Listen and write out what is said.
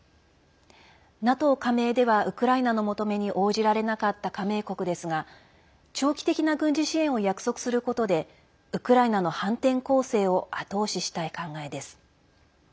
ＮＡＴＯ加盟ではウクライナの求めに応じられなかった加盟国ですが長期的な軍事支援を約束することでウクライナの反転攻勢を後押ししたい考えです。